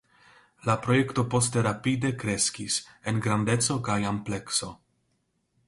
La projekto poste rapide kreskis en grandeco kaj amplekso.